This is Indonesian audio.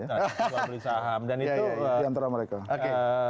jual beli saham dan itu di antara mereka oke